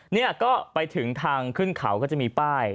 เนี่ยก็ไปถึงทางขึ้นเขาก็จะมีป้าย